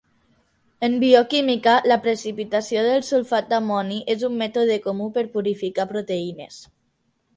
En bioquímica, la precipitació del sulfat d’amoni és un mètode comú per purificar proteïnes.